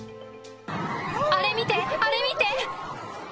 あれ見て、あれ見て。